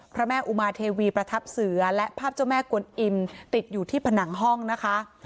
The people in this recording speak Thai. พระแม่อุมาเทวีประทับเสือและภาพเจ้าแม่กวนอิ่มติดอยู่ที่ผนังห้องนะคะ